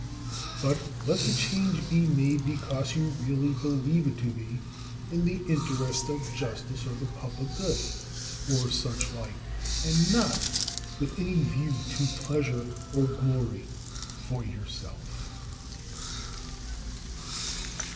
But let the change be made because you really believe it to be in the interest of justice or the public good, or such like, and not with any view to pleasure or glory for yourself.